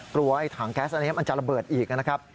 ไอ้ถังแก๊สอันนี้มันจะระเบิดอีกนะครับ